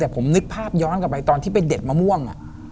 แต่ผมนึกภาพย้อนกลับไปตอนที่ไปเด็ดมะม่วง